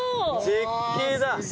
絶景だ！